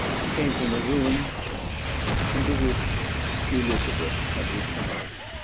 It came from the room into which Elizabeth had retired.